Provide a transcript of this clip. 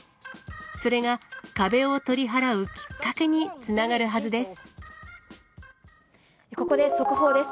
それが、壁を取り払うきっかけにここで速報です。